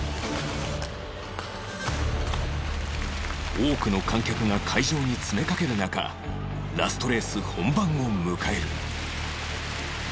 多くの観客が会場に詰めかける中ラストレース本番を迎える